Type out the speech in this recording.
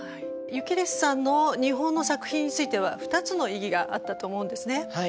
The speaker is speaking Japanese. ユケレスさんの日本の作品については２つの意義があったと思うんですね。